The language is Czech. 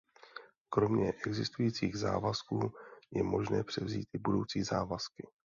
Kromě existujících závazků je možné převzít i budoucí závazky.